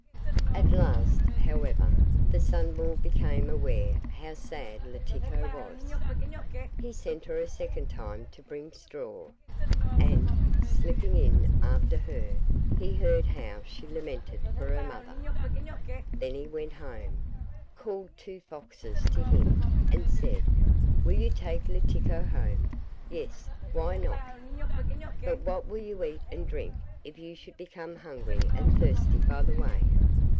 At last, however, the Sunball became aware how sad Letiko was. He sent her a second time to bring straw, and, slipping in after her, he heard how she lamented for her mother. Then he went home, called two foxes to him, and said: 'Will you take Letiko home?' 'Yes, why not?' 'But what will you eat and drink if you should become hungry and thirsty by the way?